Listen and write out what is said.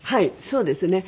そうですね。